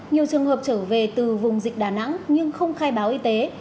nhiều trường hợp trở về từ vùng dịch đà nẵng nhưng không khai báo y tế